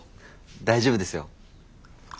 大丈夫ですよ。